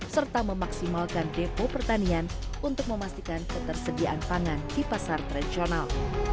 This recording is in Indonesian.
serta memaksimalkan depo pertanian untuk memastikan ketersediaan pangan di pasar tradisional